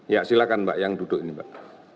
ya silakan mbak yang duduk ini mbak